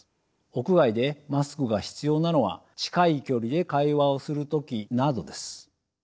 屋外でマスクが必要なのは近い距離で会話をする時などです。